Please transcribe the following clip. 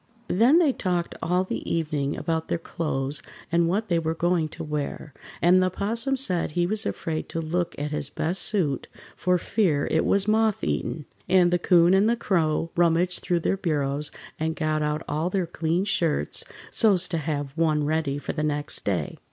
Then they talked all the evening about their clothes and what they were going to wear, and the 'Possum said he was afraid to look at his best suit for fear it was moth eaten, and the 'Coon and the Crow rummaged through their bureaus and got out all their clean shirts so's to have one ready for the next day.